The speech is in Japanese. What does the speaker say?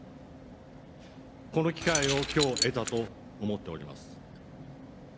この機会を今日得たと思っております。